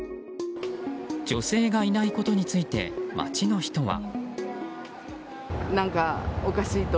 女性がいないことについて街の人は。